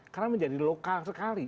karena menjadi lokal sekali